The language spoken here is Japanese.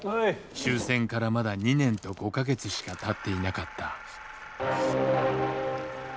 終戦からまだ２年と５か月しかたっていなかった「